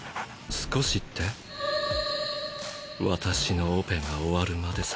少しって私のオペが終わるまでさ。